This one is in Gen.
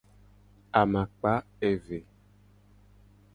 Amakpa eve.